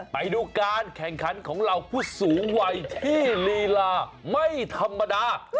ไปดูการแข่งขันของเหล่าผู้สูงวัยที่ลีลาไม่ธรรมดา